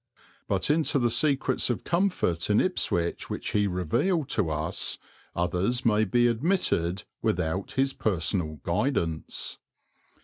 But into the secrets of comfort in Ipswich which he revealed to us others may be admitted without his personal guidance.